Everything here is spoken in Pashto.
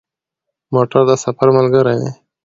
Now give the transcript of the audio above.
موټر د سفر ملګری دی.